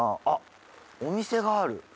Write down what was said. あっお店がある。